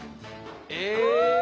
え！？